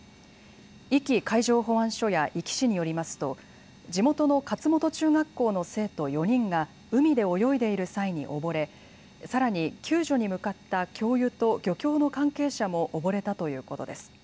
壱岐海上保安署や壱岐市によりますと地元の勝本中学校の生徒４人が海で泳いでいる際に溺れさらに救助に向かった教諭と漁協の関係者も溺れたということです。